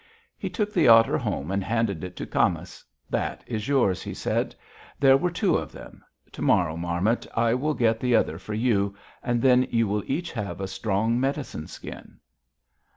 "He took the otter home and handed it to Camas. 'That is yours,' he said. 'There were two of them. To morrow, Marmot, I will get the other for you, and then you will each have a strong medicine skin.'